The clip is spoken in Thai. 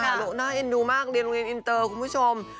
น่าเอ็นดูมากเรียนโรงเรียนอินเตอร์คุณผู้ชม